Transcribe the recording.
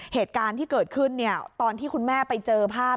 เหตุการณ์ที่เกิดขึ้นตอนที่คุณแม่ไปเจอภาพ